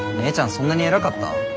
そんなに偉かった？